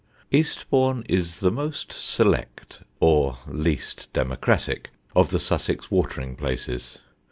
Eastbourne is the most select, or least democratic, of the Sussex watering places.